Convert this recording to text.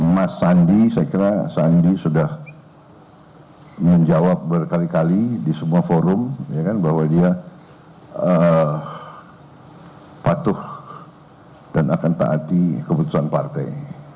mas sandi saya kira sandi sudah menjawab berkali kali di semua forum bahwa dia patuh dan akan taati keputusan partai